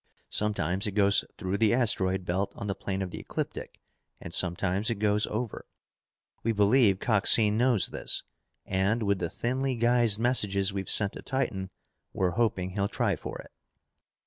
Sometimes it goes through the asteroid belt on the plane of the ecliptic and sometimes it goes over. We believe Coxine knows this, and with the thinly guised messages we've sent to Titan, we're hoping he'll try for it."